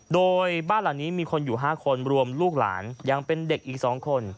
โดยบ้านหลังนี้มีคนอยู่๕คนรวมลูกหลานยังเป็นเด็กอีก๒คน